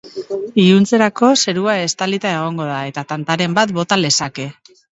Iluntzerako, zerua estalita egongo da, eta tantaren bat bota lezake.